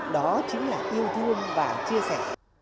đó chính là yêu thương và chia sẻ